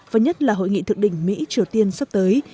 và nhất là hội nghị thượng đỉnh mỹ triều tiên sắp tới